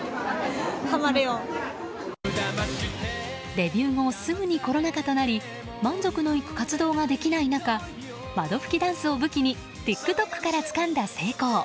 デビュー後すぐにコロナ禍となり満足のいく活動ができない中窓拭きダンスを武器にＴｉｋＴｏｋからつかんだ成功。